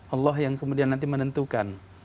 allah yang kemudian nanti menentukan